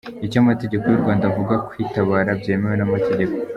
Icyo amategeko y’u Rwanda avuga ku “kwitabara byemewe n’amategeko”.